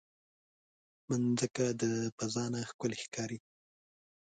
مځکه د فضا نه ښکلی ښکاري.